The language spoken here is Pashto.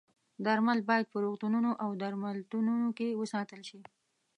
درمل باید په روغتونونو او درملتونونو کې وساتل شي.